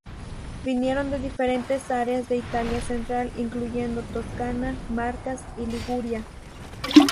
Vinieron de diferentes áreas de Italia central, incluyendo Toscana, Marcas y Liguria.